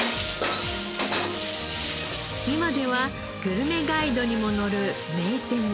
今ではグルメガイドにも載る名店のコース